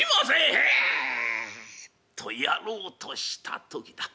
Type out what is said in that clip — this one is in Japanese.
「へえ」。とやろうとした時だ。